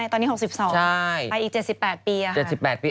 ตอนนี้๖๒ปีไปอีก๗๘ปี